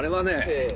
ええ！？